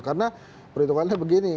karena perhitungannya begini